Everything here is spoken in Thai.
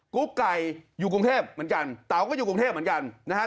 ุ๊กไก่อยู่กรุงเทพเหมือนกันเต๋าก็อยู่กรุงเทพเหมือนกันนะฮะ